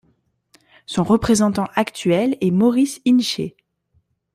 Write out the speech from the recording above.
Son représentant actuel est Maurice Hinchey.